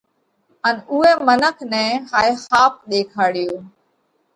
ان اُوئي منک نئہ هائي ۿاپ ۮيکاڙيو۔